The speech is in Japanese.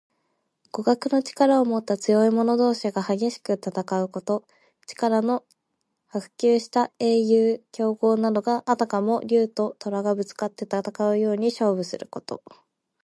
互角の力をもった強い者同士が激しく戦うこと。力の伯仲した英雄・強豪などが、あたかも竜ととらとがぶつかって戦うように勝負すること。